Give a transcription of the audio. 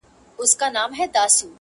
ويل گورئ دې د لاپو پهلوان ته!!